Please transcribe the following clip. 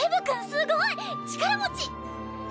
すごい力持ち！